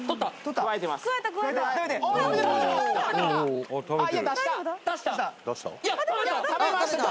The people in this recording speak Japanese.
食べました